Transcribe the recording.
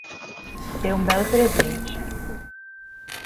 Dê um belo presente